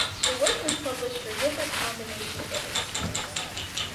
The work was published for different combinations of instruments.